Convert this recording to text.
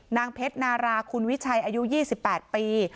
นางเพชรนาราคุณวิชัยอายุ๒๘ปี